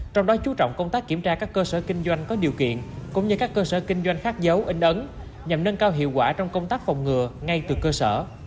trong đó chú trọng công tác kiểm tra các cơ sở kinh doanh có điều kiện cũng như các cơ sở kinh doanh khác dấu in ấn nhằm nâng cao hiệu quả trong công tác phòng ngừa ngay từ cơ sở